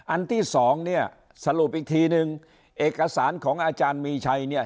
อันที่สองเนี่ยสรุปอีกทีนึงเอกสารของอาจารย์มีชัยเนี่ย